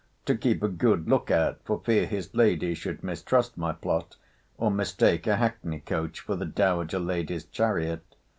to keep a good look out for fear his lady should mistrust my plot, or mistake a hackney coach for the dowager lady's chariot.